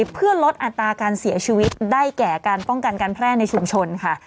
เพื่อลดอัตราการเสียชีวิตได้แก่การป้องกันการแพร่ในชุมชนค่ะ